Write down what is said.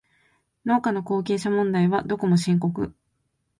農家の後継者問題はどこも深刻